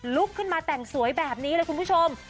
ลุกขึ้นมาแต่งสวยแบบนี้เลยคุณผู้ชม